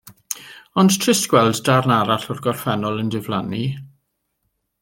Ond trist gweld darn arall o'r gorffennol yn diflannu.